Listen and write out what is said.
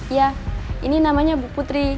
ya ini namanya bu putri